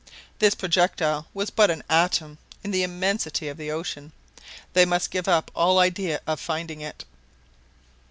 This projectile was but an atom in the immensity of the ocean. They must give up all idea of finding it.